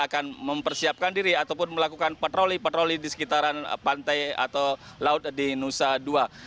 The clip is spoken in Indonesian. akan mempersiapkan diri ataupun melakukan patroli patroli di sekitaran pantai atau laut di nusa dua